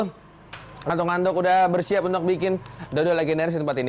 kami kantong kantong sudah bersiap untuk bikin dodol legendaris di tempat ini